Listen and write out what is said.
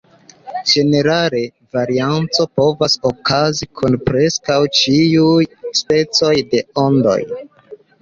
Ĝenerale varianco povas okazi kun preskaŭ ĉiuj specoj de ondoj.